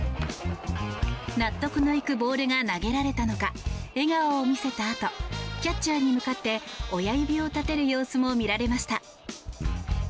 納得のいくボールが投げられたのか笑顔を見せたあとキャッチャーに向かって親指を立てる様子も見られました。